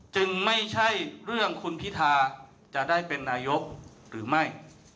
จึงไม่ใช่เรื่องคุณพิธาจะได้เป็นนายกหรือไม่